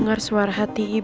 jangan malam itu precisely